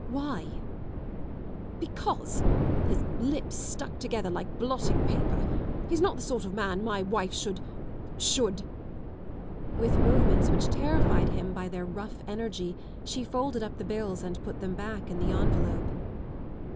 " Why ?┬╗*.'* Because ŌĆö his lips stuck together like blotting paper ŌĆö he's not the sort of man my wife shouldŌĆö shouldŌĆö " With movements which terrified him by their rough energy, she folded up the bills and put them back in the envelope.